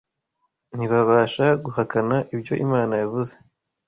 Ntibabasha guhakana ibyo Imana yavuze